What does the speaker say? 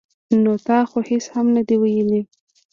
ـ نو تا خو هېڅ هم نه دي ویلي.